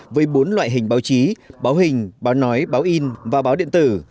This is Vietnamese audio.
với bốn loại hình báo chí báo hình báo nói báo in và báo điện tử